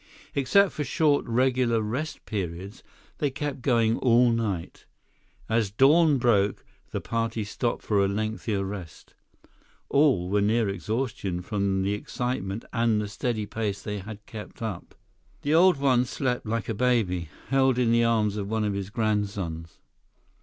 Except for short, regular rest periods, they kept going all night. As dawn broke, the party stopped for a lengthier rest. All were near exhaustion from the excitement and the steady pace they had kept up. The Old One slept like a baby, held in the arms of one of his grandsons.